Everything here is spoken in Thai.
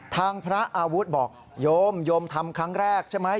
ทางพระอาวุธบอกโยมโยมทำครั้งแรกใช่ไหม